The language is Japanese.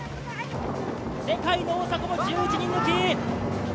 世界の大迫、１１人抜き！